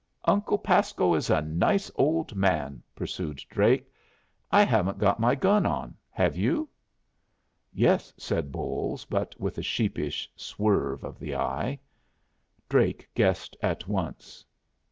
"Uncle Pasco is a nice old man!" pursued Drake. "I haven't got my gun on. Have you?" "Yes," said Bolles, but with a sheepish swerve of the eye. Drake guessed at once.